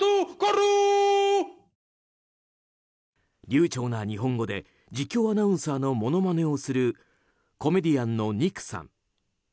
流ちょうな日本語で実況アナウンサーの物まねをするコメディアンのニックさん。